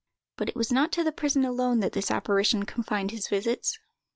But it was not to the prison alone that this apparition confined his visits.